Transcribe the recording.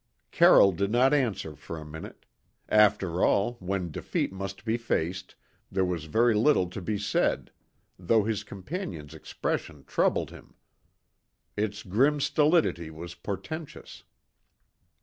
Carroll did not answer for a minute. After all, when defeat must be faced, there was very little to be said, though his companion's expression troubled him. Its grim stolidity was portentous.